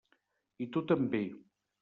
I tu també.